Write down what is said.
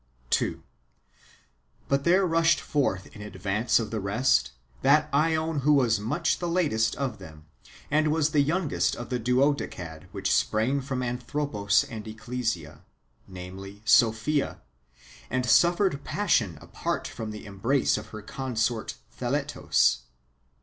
2. But there rushed forth in advance of the rest that ZEon who was much the latest of them, and was the youngest of the Duodecad which sprang from Anthropos and Ecclesia, namely Sophia, and suffered passion apart from the embrace of her consort Theletos.